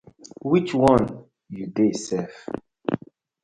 Which one yu dey sef?